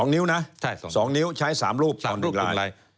๒นิ้วนะ๒นิ้วใช้๓รูปต่อ๑ลาย